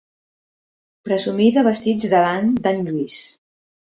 Presumí de vestits davant d'en Lluís.